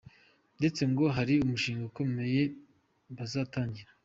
Ndetse ngo hari umushinga ukomeye bazatangira.